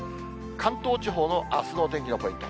関東地方のあすのお天気のポイント。